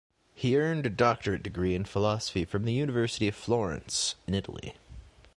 He earned a doctorate degree in philosophy from the University of Florence in Italy.